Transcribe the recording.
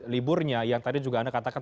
liburnya yang tadi juga anda katakan